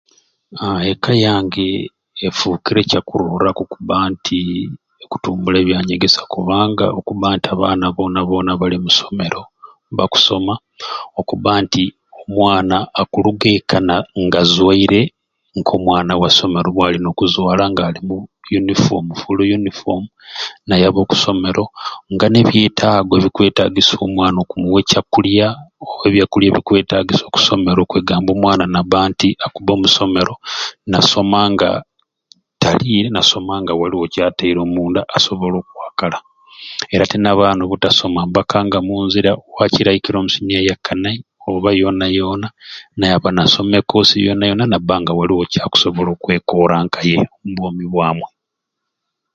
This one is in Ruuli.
Aahh ekka yange efukire kyakuroraku okuba nti ekutumbula ebyanyegesya kubanga nti abaana bona bona bali musomeero bakusoma okubba nti omwana akuluga ekka nga azwaire nkomwana wasomero bwalina okubba nga ali mu uniform nayaba okuisomero nga nebyetaago ebikwetagiisa okumwana okumuwa ekyakulya oba ebyakulya ebikwetagiisa okusomero kwegamba omwana nabanti akubba omusomero nasoma nga tali nasomanga waliwo beyali ataire omunda ate nabanga akusobola okwakala nti nabaana obutasoma bakanga munziira wakiri aikiire omusiniya eya kanai oba yona yona nayaba nasoma ekosi yona yona nabanga waliwo kyakusobola okwekoora nkaye ombwomi bwamwei.